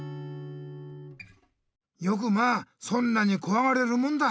よくまあそんなにこわがれるもんだ。